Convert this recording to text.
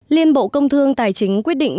liên bộ công thương tài chính quyết định